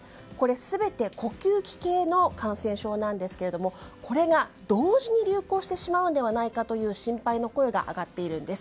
全て呼吸器系の感染症なんですが、これが同時に流行してしまうのではないかという心配の声が上がっているんです。